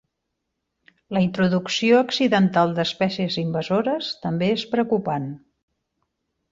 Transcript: La introducció accidental d'espècies invasores també és preocupant.